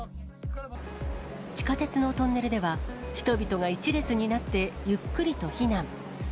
地下鉄のトンネルでは、人々が１列になってゆっくりと避難。